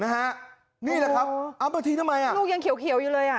นะฮะนี่แหละครับอ๋อมาทิ้งทำไมนูยังเขียวเขียวอยู่เลยอ่ะ